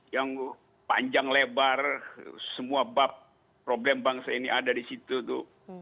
yang panjang lebar semua bab problem bangsa ini ada di situ tuh